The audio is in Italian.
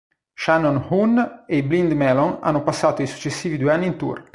Shannon Hoon e i Blind Melon hanno passato i successivi due anni in tour.